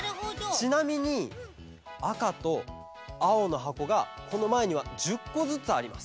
ちなみにあかとあおのはこがこのまえには１０こずつあります。